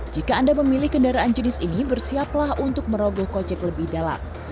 jika anda memilih kendaraan jenis ini bersiaplah untuk merogoh kocek lebih dalam